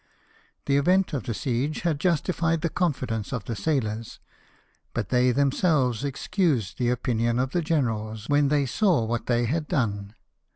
The event of the siege had justified the confidence of the sailors; but they themselves excused the opinion of the generals, when they saw what they had SIS SERVICES IN THE SIEGE. 71 done.